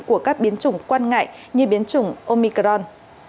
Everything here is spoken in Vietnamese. của các biến chủng quan ngại như biến chủng omicron